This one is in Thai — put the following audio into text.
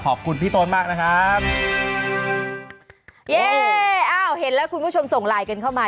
ขอบคุณพี่ต้นมากนะครับเย่อ้าวเห็นแล้วคุณผู้ชมส่งไลน์กันเข้ามา